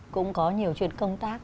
cũng có nhiều chuyện công tác